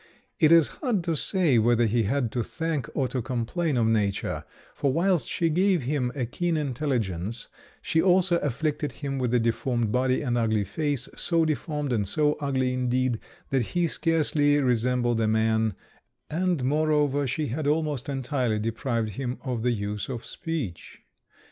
It is hard to say whether he had to thank or to complain of Nature; for whilst she gave him a keen intelligence, she also afflicted him with a deformed body and ugly face so deformed and so ugly, indeed, that he scarcely resembled a man; and, moreover, she had almost entirely deprived him of the use of speech.